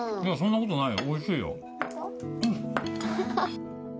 いや、そんなことないよ、おいしい。